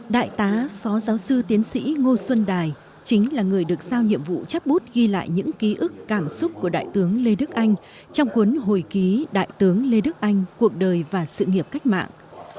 đại tá phó giáo sư tiến sĩ ngô xuân đài chính là người được sao nhiệm vụ chắc bút ghi lại những ký ức cảm xúc của đại tướng lê đức anh trong cuốn hồi ký đại tướng lê đức anh cuộc đời và sự nghiệp cách mạng